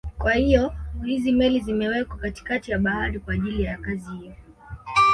Kwa hiyo hizi meli zimewekwa katikati ya Bahari kwa ajili ya kazi hiyo